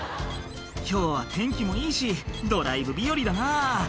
「今日は天気もいいしドライブ日和だな」